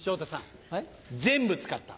全部使った。